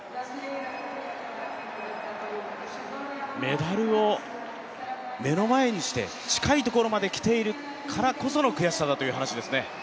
メダルを目の前にして近いところまで来ているからこその悔しさだという話ですね。